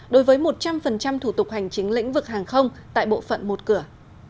đối với một trăm linh thủ tục hành chính lĩnh vực hàng không tại bộ phận một cửa